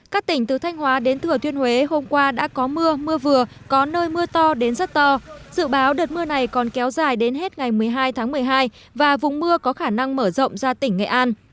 các tỉnh từ thanh hóa đến thừa thiên huế hôm qua đã có mưa mưa vừa có nơi mưa to đến rất to dự báo đợt mưa này còn kéo dài đến hết ngày một mươi hai tháng một mươi hai và vùng mưa có khả năng mở rộng ra tỉnh nghệ an